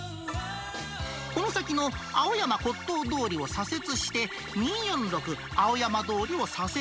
この先の青山骨董通りを左折して、２４６・青山通りを左折。